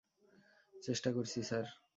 চেষ্টা করছি, স্যার।